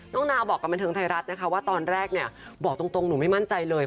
น้องนาบอกกับบ่นเทิงไทยรัฐว่าตอนแรกบอกตรงหนูไม่มั่นใจเลย